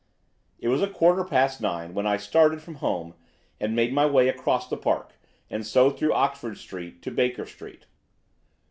It was a quarter past nine when I started from home and made my way across the Park, and so through Oxford Street to Baker Street.